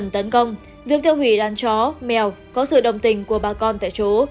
tiêu hủy đàn chó mèo có sự đồng tình của bà con tại chỗ